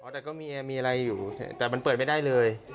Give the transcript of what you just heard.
แต่ก็มีมีอะไรอยู่แต่มันเปิดไม่ได้เลย